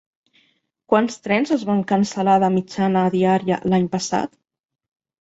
Quants trens es van cancel·lar de mitjana diària l'any passat?